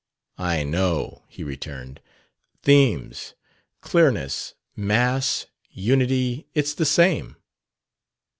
"I know," he returned. "Themes, clearness, mass, unity.... It's the same."